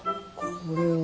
これは。